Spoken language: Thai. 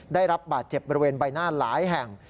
ได้รับบาดเจ็บบริเวณใบหน้าหลายแห่ง